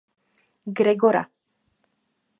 Gregora.